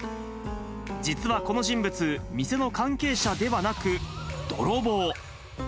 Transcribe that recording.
実はこの人物、店の関係者ではなく、泥棒。